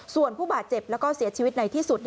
ส่วนผู้บาดเจ็บแล้วก็เสียชีวิตในที่สุด